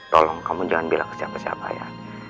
tolong kamu jangan bilang siapa siapa ya